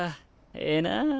ええなぁ。